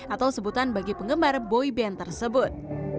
atau sebutan bagi penggemar boyband tersebut